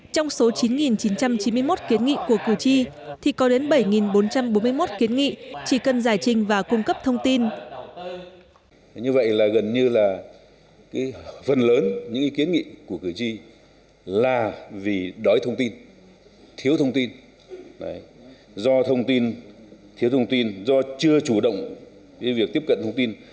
trong số chín chín trăm chín mươi một kiến nghị của cử tri thì có đến bảy bốn trăm bốn mươi một kiến nghị chỉ cần giải trình và cung cấp thông tin